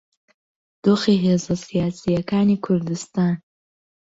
دۆخی هێزە سیاسییەکانی کوردستان